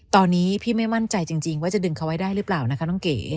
ตอนนี้พี่ไม่มั่นใจจริงว่าจะดึงเขาไว้ได้หรือเปล่านะคะน้องเก๋